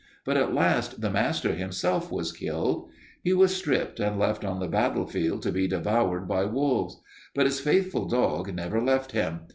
But at last the master himself was killed. He was stripped and left on the battlefield to be devoured by wolves. But his faithful dog never left him.